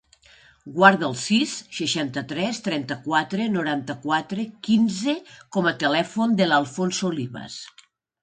Guarda el sis, seixanta-tres, trenta-quatre, noranta-quatre, quinze com a telèfon de l'Alfonso Olivas.